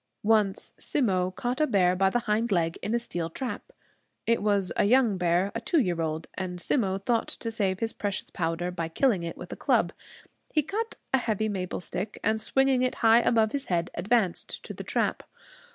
Once Simmo caught a bear by the hind leg in a steel trap. It was a young bear, a two year old; and Simmo thought to save his precious powder by killing it with a club. He cut a heavy maple stick and, swinging it high above his head, advanced to the trap.